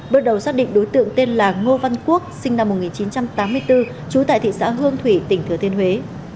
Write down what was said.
bước đầu xác định đối tượng tên là ngô văn quốc sinh năm một nghìn chín trăm tám mươi bốn trú tại thị xã hương thủy tỉnh thừa thiên huế